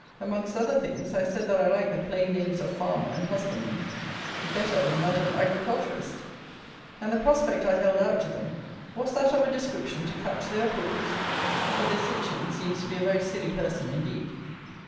Amongst other things, I said that I liked the plain names of farmer and husbandman better than that of agriculturist; and, the prospect I held out to them, was that of a description to catch their applause? But this Hitchins seems to be a very silly person indeed.